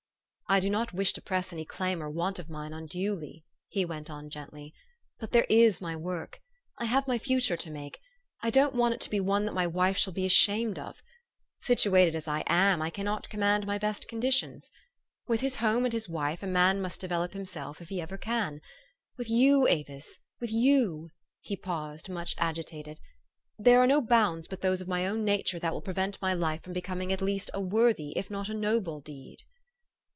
" I do not wish to press any claim or want of mine unduly," he went on gently ;" but there is my work. I have my future to make ; I don't want it to be one that my wife shall be ashamed of. Situated as 1 am, I cannot command my best conditions. With his home and his wife, a man must develop him self, if he ever can. With you, Avis, with you" he paused, much agitated, "there are no bounds but those of my own nature that will prevent my life from becoming at least a worthy if not a noble deed."